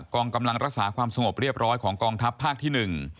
กองกำลังรักษาความสงบเรียบร้อยของกองทัพภาคที่๑